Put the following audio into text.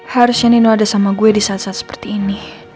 harusnya nino ada sama gue di saat saat seperti ini